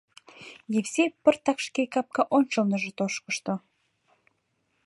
Евсей пыртак шке капка ончылныжо тошкышто.